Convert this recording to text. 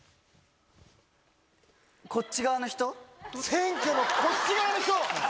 「選挙のこっち側の人」